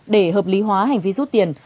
để hợp lý hóa hành vi rút tiền